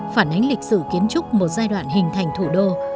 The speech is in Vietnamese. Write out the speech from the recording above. phản ánh lịch sử kiến trúc một giai đoạn hình thành thủ đô